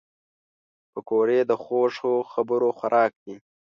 پکورې د خوږو خبرو خوراک دي